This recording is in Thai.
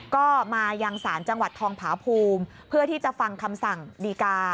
ก็มายังศาลจังหวัดทองผาภูมิเพื่อที่จะฟังคำสั่งดีกา